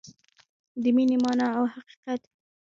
د مینې مانا او حقیقت